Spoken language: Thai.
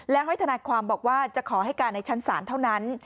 และให้ทนายความบอกว่าจะขอให้การในชั้นศาลเท่านั้น